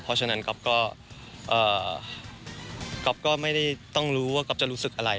เพราะฉะนั้นก๊อฟก็ก๊อฟก็ไม่ได้ต้องรู้ว่าก๊อฟจะรู้สึกอะไร